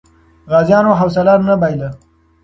غازیانو حوصله نه بایله.